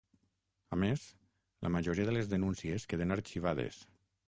A més, la majoria de les denúncies queden arxivades.